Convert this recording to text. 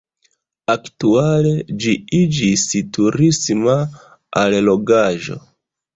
Aktuale ĝi iĝis turisma allogaĵo.